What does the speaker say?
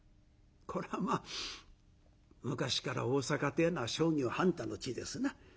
これはまあ昔から大坂てえのは商業繁多の地ですな。